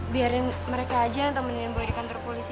biarin mereka aja yang temenin boleh di kantor polisi